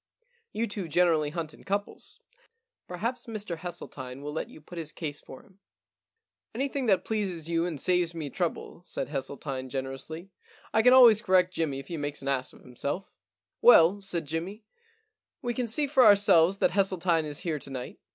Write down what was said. You two generally hunt in couples. Per haps Mr Hesseltine will let you put his case for him/ i68 The Alibi Problem * Anything that pleases you and saves me trouble,' said Hesseltine generously. * I can always correct Jimmy if he makes an ass of himself/ * Well,' said Jimmy, * we can see for our selves that Hesseltine is here to night.